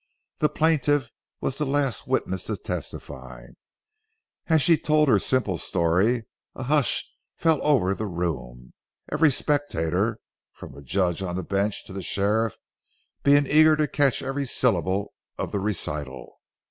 The plaintiff was the last witness to testify. As she told her simple story, a hushed silence fell over the room, every spectator, from the judge on the bench to the sheriff, being eager to catch every syllable of the recital.